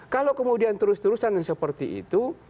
kalau kemudian terus terusan seperti itu